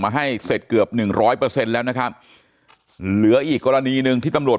มาให้เสร็จเกือบ๑๐๐แล้วนะครับเหลืออีกกรณีนึงที่ตำรวจ